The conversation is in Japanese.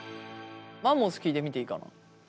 マンモス聞いてみていいかな。